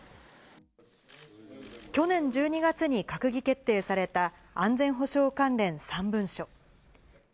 去年１２月に閣議決定された安全保障関連３文書。